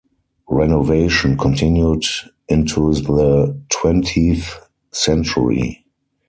Renovation continued into the twentieth century.